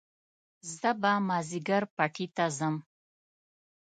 زه به مازيګر پټي ته ځم